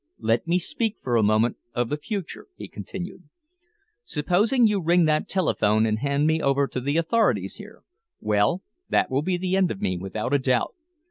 "Let me speak for a moment of the future," he continued. "Supposing you ring that telephone and hand me over to the authorities here? Well, that will be the end of me, without a doubt.